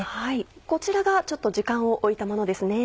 こちらがちょっと時間を置いたものですね。